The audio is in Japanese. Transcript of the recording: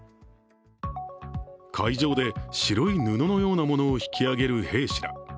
海上で白い布のようなものを引き揚げる兵士ら。